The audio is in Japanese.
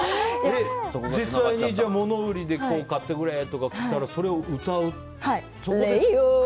実際に物売りで買ってくれとか来たらそれを歌う？